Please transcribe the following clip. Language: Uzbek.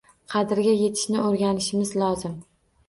Qadriga yetishni oʻrganishimiz lozim